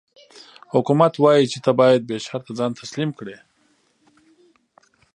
حکومت وايي چې ته باید بې شرطه ځان تسلیم کړې.